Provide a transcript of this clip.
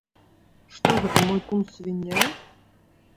Што гэта, мой кум свіння?